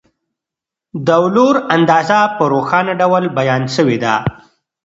د ولور اندازه په روښانه ډول بیان سوې ده.